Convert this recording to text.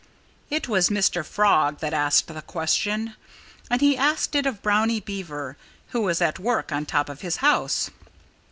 It was Mr. Frog that asked the question; and he asked it of Brownie Beaver, who was at work on top of his house.